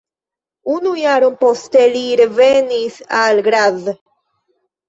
Unu jaron poste li revenis al Graz.